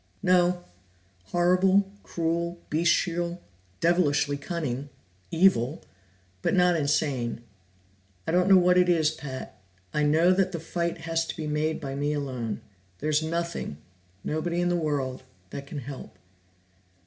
"No. Horrible, cruel, bestial, devilishly cunning, evil but not insane. I don't know what it is, Pat. I know that the fight has to be made by me alone. There's nothing, nobody in the world, that can help."